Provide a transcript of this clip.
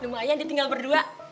lumayan dia tinggal berdua